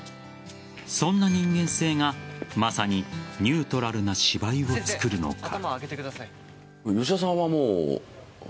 そんな人間性が、まさにニュートラルな芝居を作るのか。